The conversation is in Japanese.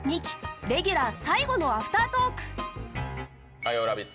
火曜「ラヴィット！」！